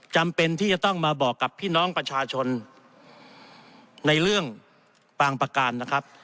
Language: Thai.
จำเป็นที่จะต้องมาบอกกับพี่น้องประชาชนในเรื่องบางประการนะครับ